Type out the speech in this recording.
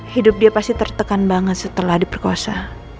hidup dia pasti tertekan banget setelah diperkosa